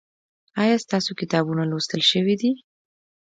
ایا ستاسو کتابونه لوستل شوي دي؟